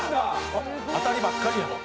当たりばっかりやん！